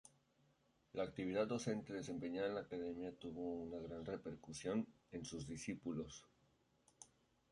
La actividad docente desempeñada en la Academia tuvo una gran repercusión en sus discípulos.